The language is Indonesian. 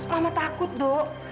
mama takut do